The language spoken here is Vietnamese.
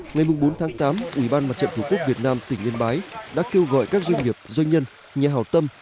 ngày bốn tám ủy ban mặt trận thủ quốc việt nam tỉnh yên bái đã kêu gọi các doanh nghiệp doanh nhân nhà hảo tâm